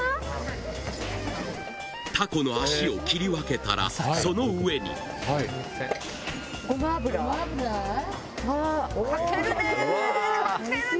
タコの脚を切り分けたらその上にかけるね！